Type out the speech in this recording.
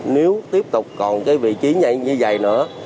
nếu tiếp tục còn cái vị trí nhanh như vậy nữa